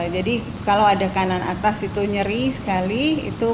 jadi kalau ada kanan atas itu nyeri sekali